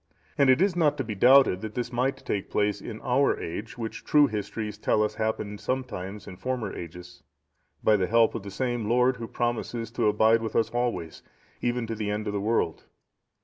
And it is not to be doubted that this might take place in our age, which true histories tell us happened sometimes in former ages, by the help of the same Lord who promises to abide with us always, even unto the end of the world.